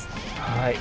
はい。